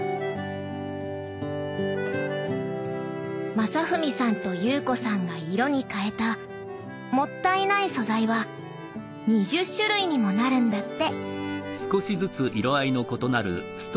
将史さんと裕子さんが色に変えた「もったいない」素材は２０種類にもなるんだって。